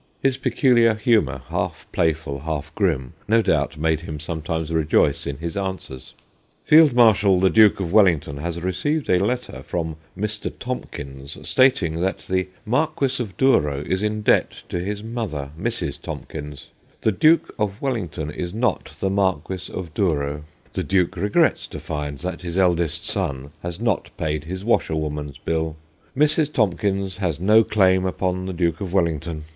His peculiar humour, half play ful, half grim, no doubt made him sometimes rejoice in his answers. ' Field marshal the Duke of Wellington has received a letter from Mr. Tomkins, stating that the Marqueas of Douro is in debt to his .mother, Mrs. Tomkins. The Duke of Wellington is not the Marquess of Douro. The Duke regrets to find that his eldest son has not paid his washerwoman's bill. Mrs. Tomkins has no claim upon the Duke of Wellington.